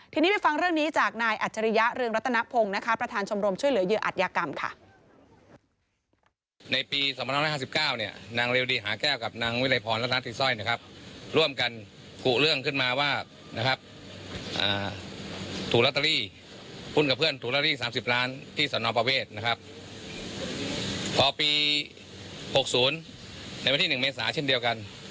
ทีนี้ไปฟังเรื่องนี้จากนายอัจฉริยะเรืองรัตนพงศ์นะคะประธานชมรมช่วยเหลือเหยื่ออัตยากรรมค่ะ